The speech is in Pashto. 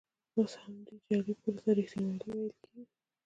اوس همدې جعلي پولو ته ریښتینولي ویل کېږي.